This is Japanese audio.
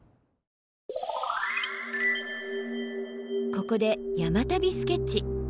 ここで山旅スケッチ。